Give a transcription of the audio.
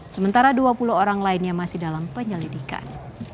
sementara dua puluh orang lainnya masih dalam penyelidikan